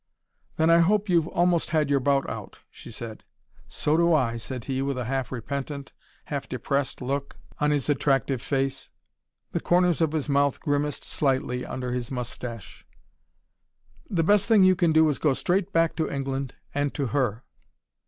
"Then I hope you've almost had your bout out," she said. "So do I," said he, with a half repentant, half depressed look on his attractive face. The corners of his mouth grimaced slightly under his moustache. "The best thing you can do is to go straight back to England, and to her."